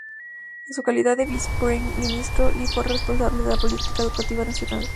En su calidad de viceprimer ministro, Li fue responsable de la política educativa nacional.